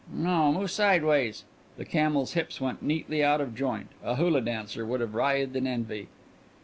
"No; move sideways." The camel's hips went neatly out of joint; a hula dancer would have writhed in envy.